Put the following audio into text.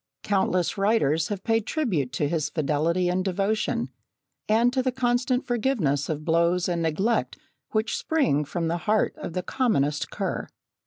Countless writers have paid tribute to his fidelity and devotion, and to the constant forgiveness of blows and neglect which spring from the heart of the commonest cur.